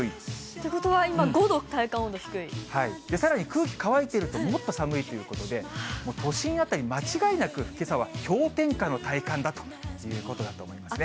ということは今５度、体感温さらに空気乾いていると、もっと寒いということで、都心辺り、間違いなくけさは氷点下の体感だということだと思いますね。